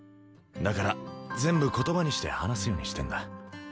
だから全部言葉にして話すようにしてんだ。